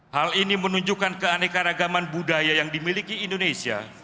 hal ini menunjukkan keanekaan agama dan budaya yang dimiliki indonesia